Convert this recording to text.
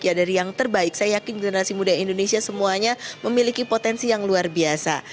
ya dari yang terbaik saya yakin generasi muda indonesia semuanya memiliki potensi yang luar biasa